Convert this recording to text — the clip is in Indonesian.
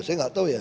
saya nggak tahu ya